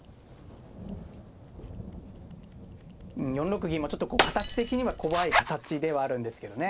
４六銀もちょっと形的には怖い形ではあるんですけどね。